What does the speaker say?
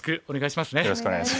お願いします。